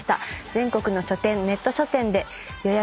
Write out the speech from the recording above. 全国の書店ネット書店で予約